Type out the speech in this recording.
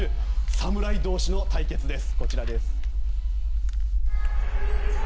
侍同士の対決です。